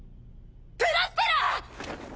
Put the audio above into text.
・プロスペラ！